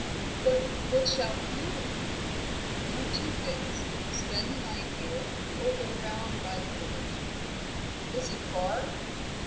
"But what shall we do?" "One of two things, spend the night here, or go round by the bridge." "Is it far?"